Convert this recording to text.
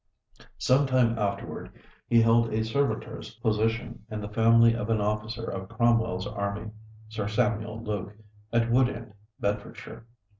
Some time afterward he held a servitor's position in the family of an officer of Cromwell's army, Sir Samuel Luke, of Woodend, Bedfordshire.